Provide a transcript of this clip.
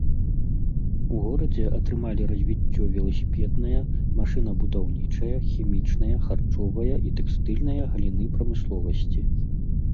У горадзе атрымалі развіццё веласіпедная, машынабудаўнічая, хімічная, харчовая і тэкстыльная галіны прамысловасці.